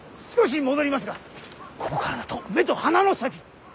少し戻りますがここからだと目と鼻の先。